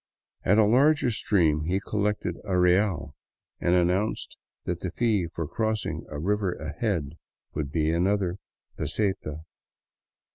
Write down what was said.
At a larger stream he collected a real and announced that the fee for crossing a river ahead would be another " peseta."